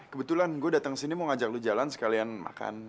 kebetulan gue datang sini mau ngajak lo jalan sekalian makan